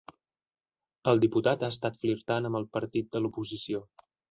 El diputat ha estat flirtant amb el partit de l'oposició.